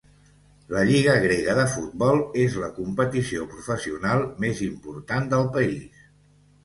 La lliga grega de futbol és la competició professional més important del país.